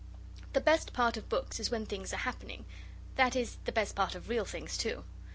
The best part of books is when things are happening. That is the best part of real things too.